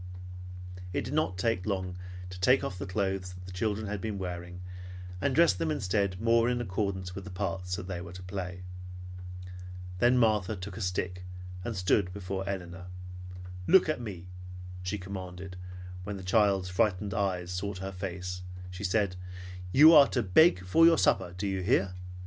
It did not take long to take off the clothes the children had been wearing, and dress them instead more in accordance with the parts they were to play. Then Martha took a stick and stood before Elinor. "Look at me!" she commanded, and when the child's frightened eyes sought her face she said, "You are to beg for your supper, do you hear?